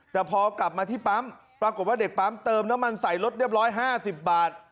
แต่พอกลับมาที่ปั๊มปรากฏว่าเด็กปั๊มเติมน้ำมันใส่รถเรียบร้อย๕๐บาท